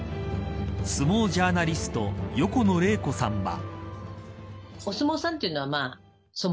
相撲ジャーナリスト横野レイコさんは。